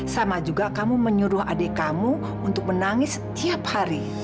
sama juga kamu menyuruh adik kamu untuk menangis setiap hari